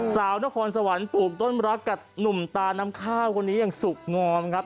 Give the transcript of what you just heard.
สาวนครสวรรค์ปลูกต้นรักกับหนุ่มตาน้ำข้าวคนนี้อย่างสุขงอมครับ